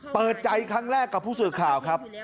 เปิดใจครั้งแรกกับผู้สื่อข่าวครับ